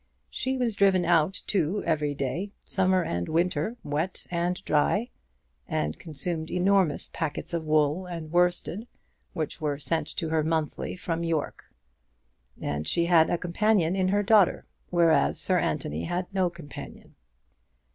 She was driven out, too, every day, summer and winter, wet and dry, and consumed enormous packets of wool and worsted, which were sent to her monthly from York. And she had a companion in her daughter, whereas Sir Anthony had no companion.